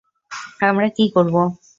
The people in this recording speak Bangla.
আমরা কী করবো?